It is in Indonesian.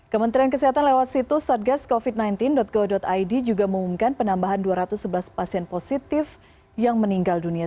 kementerian kesehatan lewat situs satgascovid sembilan belas go id juga mengumumkan penambahan dua ratus sebelas pasien positif yang meninggal dunia